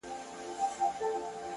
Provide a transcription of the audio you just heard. پرته له جنګه نور نکلونه لرې؟،